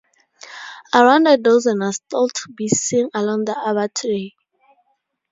Around a dozen are still to be seen along the Arbat today.